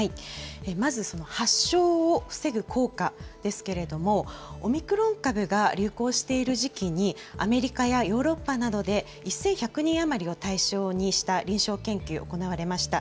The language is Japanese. まずその発症を防ぐ効果ですけれども、オミクロン株が流行している時期に、アメリカやヨーロッパなどで、１１００人余りを対象にした臨床研究行われました。